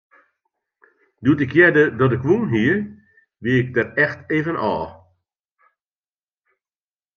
Doe't ik hearde dat ik wûn hie, wie ik der echt even ôf.